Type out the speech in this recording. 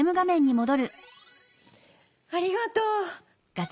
ありがとう。